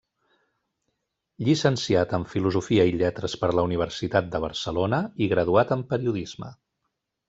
Llicenciat en Filosofia i Lletres per la Universitat de Barcelona i graduat en periodisme.